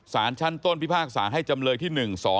สารชั้นต้นพิพากษาให้จำเลยที่๑๒